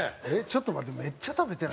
ちょっと待って。